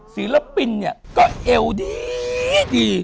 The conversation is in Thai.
ศิลปินเนี่ยก็เอวดี